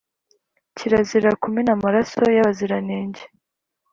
kirazira kumena amaraso y’abaziranenge